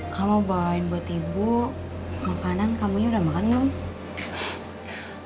kamu bawain buat ibu makanan kamunya udah makan belum